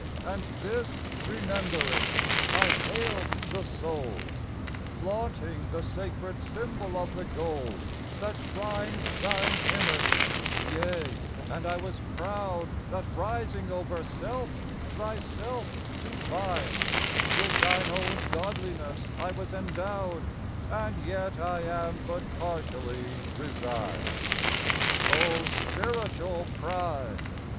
And this remembering, I hailed the soul, Flaunting the sacred symbol of the goal That shrines Thine image; yea, and I was proud That, rising over Self Thyself to find, With Thine own godliness I was endowed, And yet I am but partially resigned. O, spiritual pride!